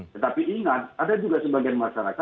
tetapi ingat ada juga sebagian masyarakat